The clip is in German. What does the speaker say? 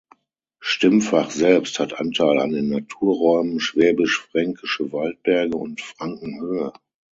Stimpfach selbst hat Anteil an den Naturräumen Schwäbisch-Fränkische Waldberge und Frankenhöhe.